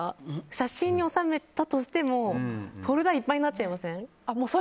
写真に収めたとしてもフォルダいっぱいになっちゃいません？